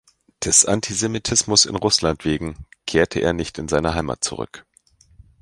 Des Antisemitismus in Russland wegen kehrte er nicht in seine Heimat zurück.